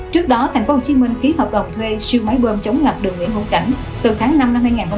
trước đó tp hcm ký hợp đồng thuê siêu máy bơm chống ngập đường nguyễn hữu cảnh từ tháng năm năm hai nghìn hai mươi ba